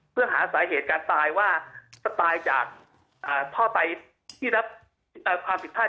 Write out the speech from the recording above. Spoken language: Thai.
เพื่อหาสาเหตุการตายว่าจะตายจากพ่อตายที่รับความผิดพลาด